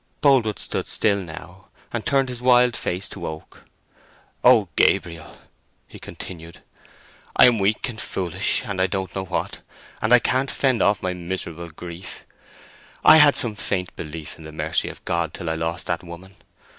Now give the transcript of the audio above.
Boldwood stood still now and turned his wild face to Oak. "Oh, Gabriel," he continued, "I am weak and foolish, and I don't know what, and I can't fend off my miserable grief!... I had some faint belief in the mercy of God till I lost that woman.